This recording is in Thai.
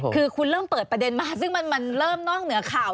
คือคุณเริ่มเปิดประเด็นมาซึ่งมันเริ่มนอกเหนือข่าว